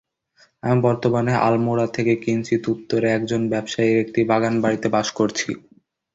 আমি বর্তমানে আলমোড়া থেকে কিঞ্চিৎ উত্তরে একজন ব্যবসায়ীর একটি বাগান- বাড়ীতে বাস করছি।